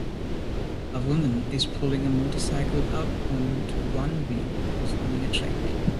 A woman is pulling a motorcycle up onto one wheel performing a trick.